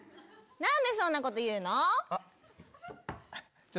何でそんなこと言うの？